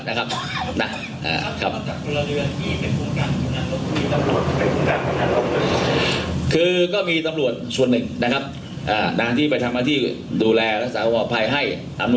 นะครับอ่าน้ำหากที่ไปทำมาติดูแลวัทธิสรรคภาพภัยให้อำ